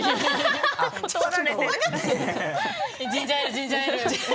ジンジャーエール。